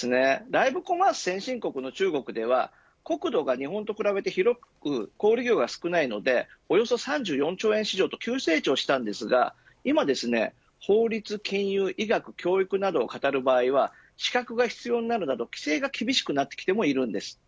ライブコマース先進国の中国では国土が日本と比べて小売り業が少ないので３４兆円市場と急成長したんですが法律、金融、医学、教育などを語る場合は資格が必要になるなど、規制が厳しくなってもいるんです。